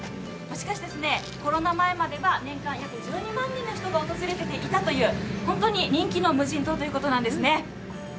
しかし、コロナ前までは年間約１２万人の人が訪れていたという本当に人気の蒸し風呂ということなんですね。